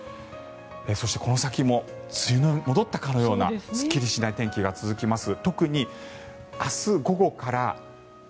そして、この先も梅雨に戻ったかのようなすっきりしない天気が続きます。